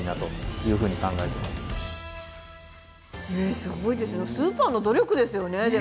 すごいですねスーパーの努力ですよね。